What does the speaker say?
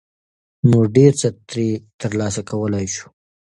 ، نو ډېر څه ترې ترلاسه کولى شو.